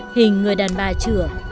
hình người đàn bà trưởng